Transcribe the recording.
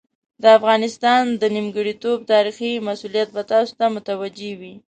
د افغانستان د نیمګړتوب تاریخي مسوولیت به تاسو ته متوجه وي.